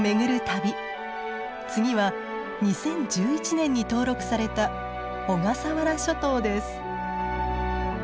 次は２０１１年に登録された小笠原諸島です。